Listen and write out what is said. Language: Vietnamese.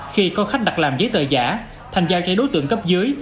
khi có khách đặt làm giấy tờ giả thành giao cho đối tượng cấp dưới